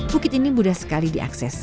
bukit ini mudah sekali diakses